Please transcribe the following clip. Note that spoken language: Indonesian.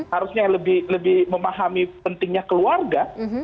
harusnya lebih memahami pentingnya keluarga